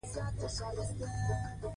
هغه لس کاله کار کاوه.